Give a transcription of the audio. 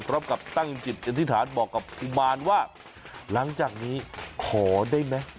พร้อมกับตั้งจิตอธิษฐานบอกกับกุมารว่าหลังจากนี้ขอได้ไหม